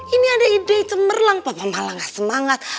ini ada ide yang cemerlang papa malah gak semangat